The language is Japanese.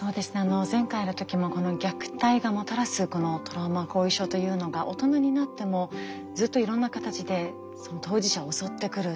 前回の時も虐待がもたらすトラウマ後遺症というのが大人になってもずっといろんな形で当事者を襲ってくる。